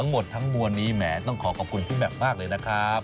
ทั้งหมดทั้งมวลนี้แหมต้องขอขอบคุณพี่แมมมากเลยนะครับ